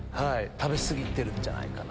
食べ過ぎてるんじゃないかな。